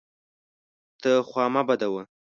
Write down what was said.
ته خوا مه بدوه!